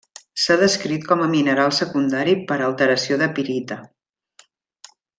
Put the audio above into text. S'ha descrit com a mineral secundari per alteració de pirita.